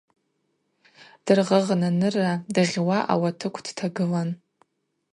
Дыргъыгъ Наныра дыгъьуа ауатыкв дтагылан.